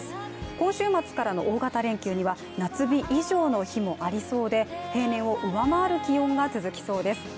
今週末からの大型連休には、夏日以上の日もありそうで、平年を上回る気温が続きそうです。